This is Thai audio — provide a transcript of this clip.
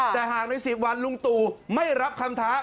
แต่หากใน๑๐วันลุงตู่ไม่รับคำท้า